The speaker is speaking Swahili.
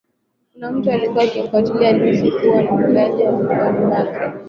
Kuna mtu alikuwa akimfuatilia alihisi atakuwa mdunguaji aliyemuua Magreth